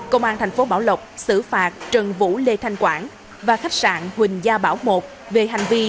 công an thành phố bảo lộc xử phạt trần vũ lê thanh quảng và khách sạn huỳnh gia bảo i về hành vi